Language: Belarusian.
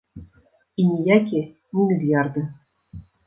І ніякія не мільярды.